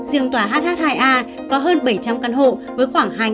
riêng tòa hh hai a có hơn bảy trăm linh căn hộ với khoảng hai dân